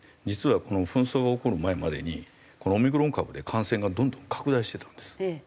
実はこの紛争が起こる前までにこのオミクロン株で感染がどんどん拡大してたんです。